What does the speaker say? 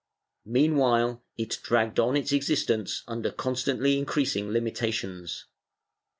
Meanwhile it dragged on its existence under constantly increas ing limitations.